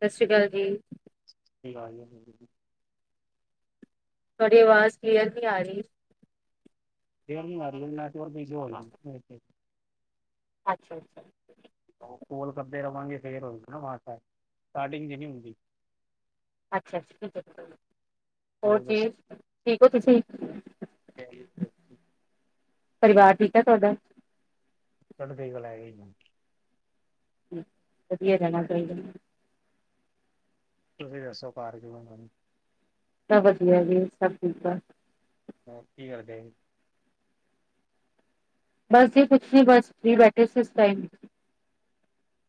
ਸਤਿ ਸ਼੍ਰੀ ਅਕਾਲ ਜੀ। ਆ ਜ [unintelligible] ਤੁਹਾਡੀ ਆਵਾਜ਼ ਕਲੀਅਰ ਨੀ ਆ ਰਹੀ। ਮੈਨੂੰ ਆ ਰਹੀ ਹੈ ਨੈਟਵਰਕ ਬਿਜੀ ਹੋ ਅੱਛਾ-ਅੱਛਾ। ਕੋਲ ਕਰਦੇ ਰਵਾਂਗੇ, ਫੇਰ ਹੋਏਗੀ ਨਾ ਅਵਾਂਜ ਸਾਫ ਨਾ, ਸਟਾਰਟਿੰਗ ਚ, ਨੀ ਹੁੰਦੀ। ਅੱਛਾ-ਅੱਛਾ, ਠੀਕ-ਠੀਕ ਆ। ਹੋਰ ਜੀ ਠੀਕ ਹੋ ਤੁਸੀਂ? ਚੜ੍ਹਦੀ ਪਰਿਵਾਰ ਠੀਕ ਏ ਤੁਹਾਡਾ? ਪਿੰਡ ਗਈ ਤਾਂ, ਲੈ ਜੀ ਮੈਨੂੰ। [unintelligible] ਵਧੀਆ, ਜਾਣਾ ਚਾਹੀਦਾ ਆ। ਤੁਸੀਂ ਦੱਸੋ ਘਰ ਕਿਵੇਂ ਆ ਸਾਰੇ? ਸਬ ਵਧੀਆ ਜੀ, ਸਭ ਠੀਕ ਆ। ਹਾਂ, ਕੀ ਕਰਦੇ ਸੀ? ਬਸ ਜੀ ਕੁਛ ਨੀ, ਬਸ ਫ੍ਰੀ ਬੈਠੇ ਸੀ ਇਸ ਟਾਈਮ।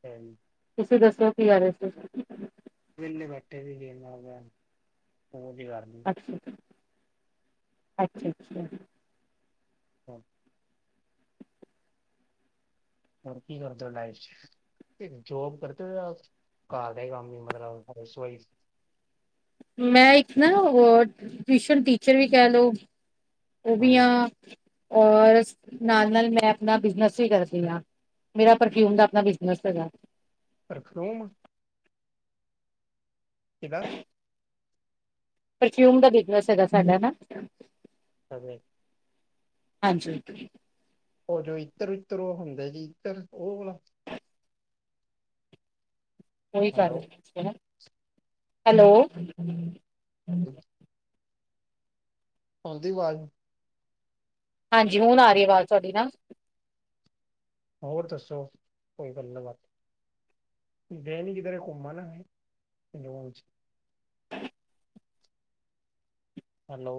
ਹੂੰ [unintelligible] ਤੁਸੀਂ ਦੱਸੋ ਕੀ ਕਰ ਰਹੇ ਸੀ? ਵੇਲੇ ਬੈਠੇ ਸੀਗੇ ਜੇ, ਇਹਨਾਂ ਨਾਲ ਹੋਰ ਕੀ ਕਰਨਾ। ਅੱਛਾ-ਅੱਛਾ। ਹਾਂ। ਹੋਰ ਕੀ ਕਰਦੇ ਓ ਲਾਈਫ ਚ'? ਜੌਬ ਕਰਤੇ ਹੋ ਜਾਂ ਘਰ ਦੇ ਕੰਮ ਹੀ ਮਤਲਬ ਰਸੋਈ ਚ'। ਮੈਂ ਇੱਕ ਨਾ ਓ, ਟਿਊਸ਼ਨ ਟੀਚਰ ਵੀ ਕਹਿ ਲੋ। ਉ ਹਾਂ ਵੀ ਆ, ਔਰ ਨਾਲ-ਨਾਲ ਮੈਂ ਆਪਣਾ ਬਿਜ਼ਨਸ ਵੀ ਕਰਦੀ ਆ। ਮੇਰਾ ਪਰਫਿਊਮ ਦਾ ਆਪਣਾ ਬਿਜ਼ਨਸ ਹੈਗਾ ਆ। ਪਰਖਰੂਮ। ਕਿੱਦਾਂ। ਪਰਫਿਊਮ ਦਾ ਬਿਜ਼ਨਸ ਹੈਗਾ ਸਾਡਾ ਨਾ। ਹਾਂਜੀ। ਹਾਂਜੀ। ਓ ਜੋ ਇੱਤਰ-ਉਤਰ ਓ ਹੁੰਦਾ ਜੀ, ਇੱਤਰ ਓ ਵਾਲਾ। ਓਈ ਹੈਲੋ [unintelligible] ਹੈਲੋ [unintelligible] ਆਉਂਦੀ ਅਵਾਜ਼। ਹਾਂਜੀ, ਹੂਨ ਆ ਰੀ ਆਵਾਜ਼ ਤੁਆਡੀ ਨਾ। ਹੋਰ ਦੱਸੋ, ਕੋਈ ਗਲ ਬਾਤ। ਗਏ ਨੀ ਕਿਦਰੇ ਘੁੰਮਣ? ਹੈਲੋ।